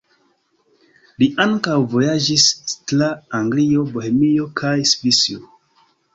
Li ankaŭ vojaĝis tra Anglio, Bohemio kaj Svisio.